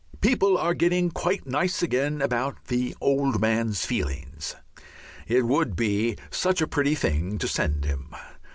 People are getting quite nice again about "the Old Man's feelings." It would be such a pretty thing to send him.